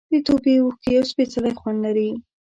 د توبې اوښکې یو سپېڅلی خوند لري.